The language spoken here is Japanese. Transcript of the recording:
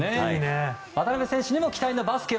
渡邊選手にも期待のバスケ